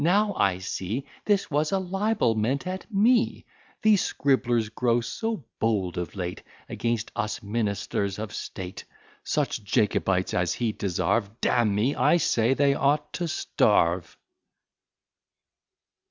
now I see This was a libel meant at me: These scribblers grow so bold of late Against us ministers of state! Such Jacobites as he deserve D n me! I say they ought to starve."